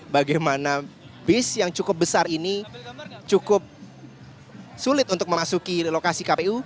bagaimana bis yang cukup besar ini cukup sulit untuk memasuki lokasi kpu